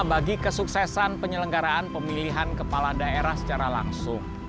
bagi kesuksesan penyelenggaraan pemilihan kepala daerah secara langsung